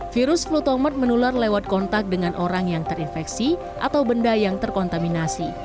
virus flutomer menular lewat kontak dengan orang yang terinfeksi atau benda yang terkontaminasi